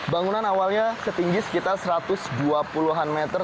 bangunan awalnya setinggi sekitar satu ratus dua puluh an meter